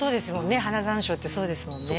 花山椒ってそうですもんね